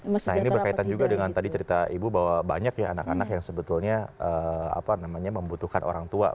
nah ini berkaitan juga dengan tadi cerita ibu bahwa banyak ya anak anak yang sebetulnya membutuhkan orang tua